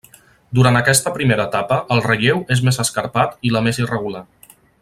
Durant aquesta primera etapa, el relleu és més escarpat i la més irregular.